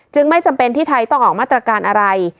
ไม่จำเป็นที่ไทยต้องออกมาตรการอะไร